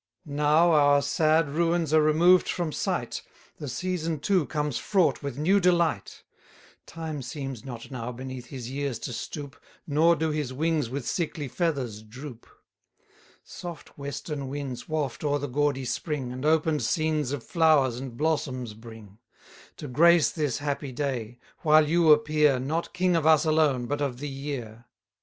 Now our sad ruins are removed from sight, The season too comes fraught with new delight: Time seems not now beneath his years to stoop, Nor do his wings with sickly feathers droop: Soft western winds waft o'er the gaudy spring, And open'd scenes of flowers and blossoms bring, 30 To grace this happy day, while you appear, Not king of us alone, but of the year.